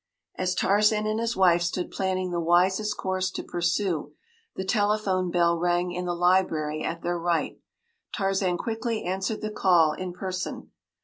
As Tarzan and his wife stood planning the wisest course to pursue, the telephone bell rang in the library at their right. Tarzan quickly answered the call in person.